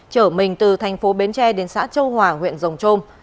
chở mình từ thành phố bến tre đến xã châu hòa huyện rồng trôm